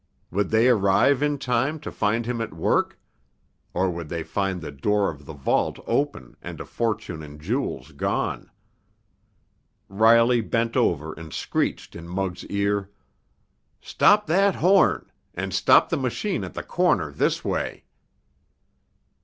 Would they arrive in time to find him at work? Or, would they find the door of the vault open and a fortune in jewels gone? Riley bent over and screeched in Muggs' ear: "Stop that horn! And stop the machine at the corner this way!"